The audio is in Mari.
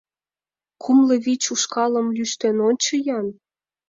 Кумло вич ушкалым лӱштен ончо-ян!..